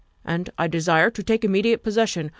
And I desire to take immediate possession.